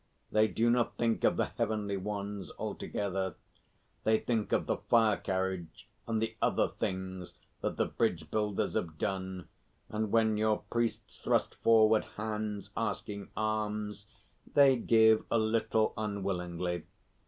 They do not think of the Heavenly Ones altogether. They think of the fire carriage and the other things that the bridge builders have done, and when your priests thrust forward hands asking alms, they give a little unwillingly.